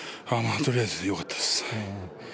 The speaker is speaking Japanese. とりあえずよかったです。